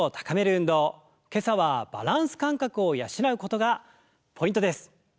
今朝はバランス感覚を養うことがポイントです！